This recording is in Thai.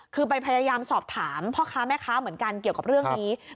คือไปพยายามสอบถามพ่อค้าแม่ค้าเหมือนกันเกี่ยวกับเรื่องนี้